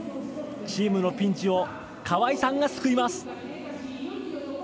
チームのピンチを、川井さんがすくいます。